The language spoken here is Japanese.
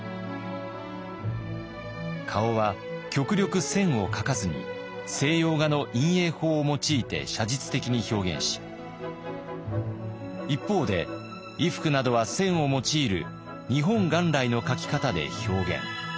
顔は極力線を描かずに西洋画の陰影法を用いて写実的に表現し一方で衣服などは線を用いる日本元来の描き方で表現。